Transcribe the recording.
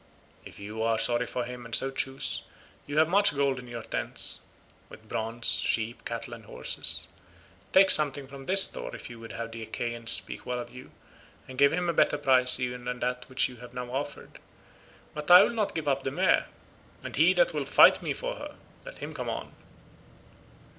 If you are sorry for him and so choose, you have much gold in your tents, with bronze, sheep, cattle and horses. Take something from this store if you would have the Achaeans speak well of you, and give him a better prize even than that which you have now offered; but I will not give up the mare, and he that will fight me for her, let him come on."